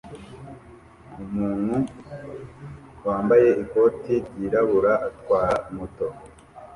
Umuntu wambaye ikoti ryirabura atwara moto